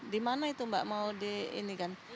di mana itu mbak mau di ini kan